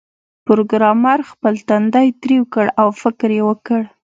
پروګرامر خپل تندی ترېو کړ او فکر یې وکړ